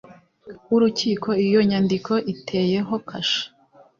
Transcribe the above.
w urukiko iyo nyandiko iteyeho kashe